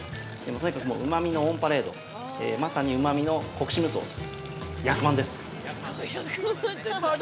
とにかく、うまみのオンパレードまさに、うまみの国士無双役満です。